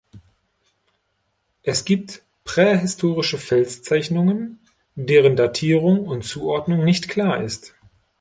Es gibt prähistorische Felszeichnungen, deren Datierung und Zuordnung nicht klar ist.